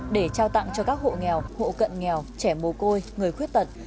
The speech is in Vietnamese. để trao tặng cho các hộ nghèo hộ cận nghèo trẻ mồ côi người khuyết tật